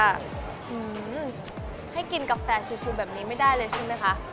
ให้กินกาแฟชูแบบนี้ไม่ได้เลยใช่ไหมคะ